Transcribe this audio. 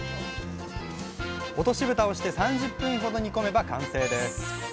落とし蓋をして３０分ほど煮込めば完成です。